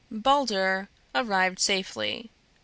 "'Balder' arrived safely.